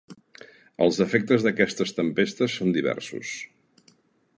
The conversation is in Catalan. Els efectes d’aquestes tempestes són diversos.